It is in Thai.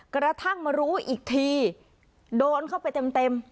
กระทั่งมารู้อีกทีโดนเข้าไปเต็ม